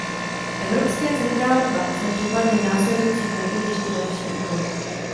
Evropské centrální bance připadne v nadcházejících letech ještě další úkol.